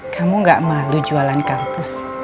kamu gak malu jualan kampus